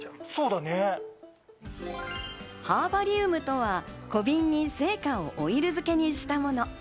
ハーバリウムとは小瓶に生花をオイル漬けにしたもの。